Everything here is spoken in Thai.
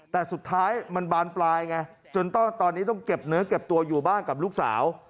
แต่สุดท้ายมันบานปลายไงจนตอนนี้ต้องเก็บเนื้อเก็บตัวอยู่บ้านกับลูกสาว